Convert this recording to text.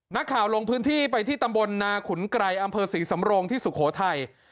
ลงพื้นที่ไปที่ตำบลนาขุนไกรอำเภอศรีสำโรงที่สุโขทัย